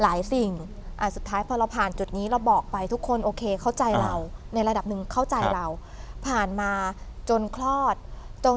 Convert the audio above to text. อีกที่มันมีเรื่องของ